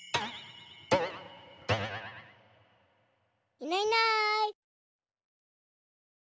いないいない。